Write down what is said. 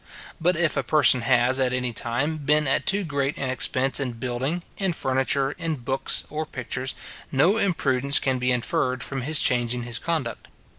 But if a person has, at any time, been at too great an expense in building, in furniture, in books, or pictures, no imprudence can be inferred from his changing his conduct.